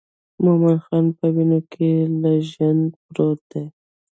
مومن خان په وینو کې لژند پروت دی.